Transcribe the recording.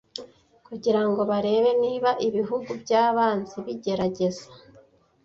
kugira ngo barebe niba ibihugu by’abanzi bigerageza